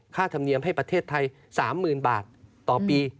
ธรรมเนียมให้ประเทศไทย๓๐๐๐บาทต่อปี